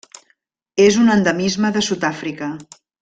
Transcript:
És un endemisme de Sud-àfrica: